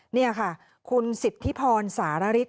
นี่ค่ะคุณสิทธิพรสารฤทธ